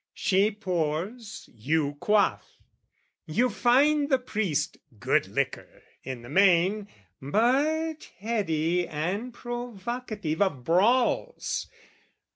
she pours, you quaff. You find the Priest good liquor in the main, But heady and provocative of brawls.